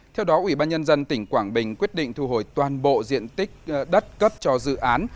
theo đó ủy ban nhân dân tỉnh quảng bình quyết định thu hồi toàn bộ diện tích đất cấp cho dự án